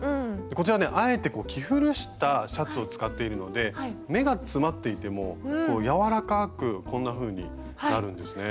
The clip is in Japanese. こちらねあえて着古したシャツを使っているので目が詰まっていても柔らかくこんなふうになるんですね。